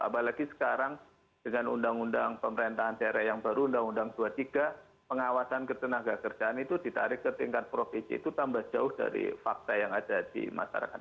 apalagi sekarang dengan undang undang pemerintahan daerah yang baru undang undang dua puluh tiga pengawasan ketenaga kerjaan itu ditarik ke tingkat provinsi itu tambah jauh dari fakta yang ada di masyarakat